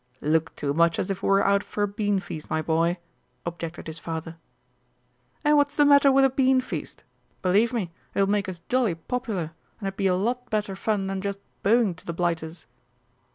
"Look too much as if we were out for a beanfeast, my boy," objected his father. "And what's the matter with a beanfeast? Believe me, it will make us jolly popular and be a lot better fun than just bowing to the blighters."